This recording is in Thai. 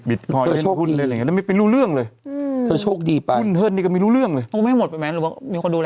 บิตคอยตั้งหลายหุ้นอะไรอย่างนี้ไม่เป็นรู้เรื่องเลยหุ้นเทิดดีกว่ามีรู้เรื่องเลยโอ้โฮไม่ให้หมดไปไหมหรือว่ามีคนดูแล